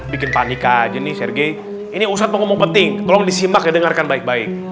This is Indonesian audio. bikin panik aja nih serge ini usaha ngomong penting tolong disimak dengarkan baik baik